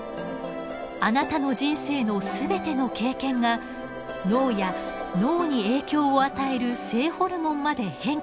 あなたの人生の全ての経験が脳や脳に影響を与える性ホルモンまで変化させます。